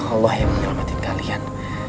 allah yang menyelamatin kalian